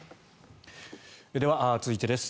では、続いてです。